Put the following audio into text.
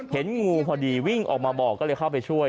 เห็นงูพอดีวิ่งออกมาบอกก็เลยเข้าไปช่วย